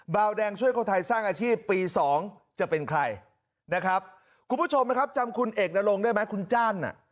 บาวแดงช่วยคนไทยสร้างอาชีพปีสองจะเป็นใครนะครับคุณผู้ชมนะครับจำคุณเอกนรงได้ไหมคุณจ้านอ่ะ